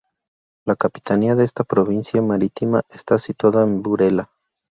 La capitanía de esta provincia marítima está situada en Burela.